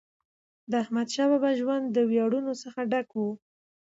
د احمدشاه بابا ژوند د ویاړونو څخه ډک و.